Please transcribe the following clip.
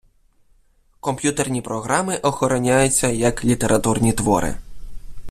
Комп'ютерні програми охороняються як літературні твори.